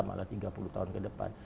malah tiga puluh tahun kedepan